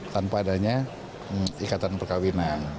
tanpa adanya ikatan perkahwinan